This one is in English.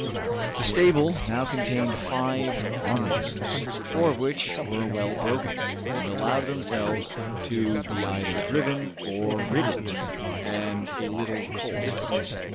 The stable now contained five onagers, four of which were well broken, and allowed themselves to be either driven or ridden, and a little colt.